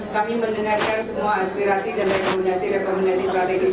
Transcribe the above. kami mendengarkan semua aspirasi dan rekomendasi rekomendasi strategis